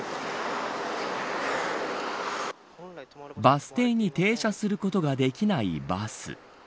バス停に停車することができないバス。